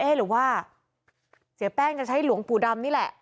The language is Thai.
หรือว่าเสียแป้งจะใช้หลวงปู่ดำนี่แหละ